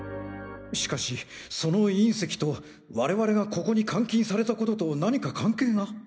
しかしその隕石と我々がここに監禁された事と何か関係が？